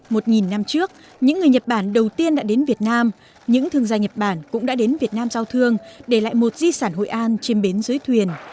một nghìn năm trước những người nhật bản đầu tiên đã đến việt nam những thương gia nhật bản cũng đã đến việt nam giao thương để lại một di sản hội an trên bến dưới thuyền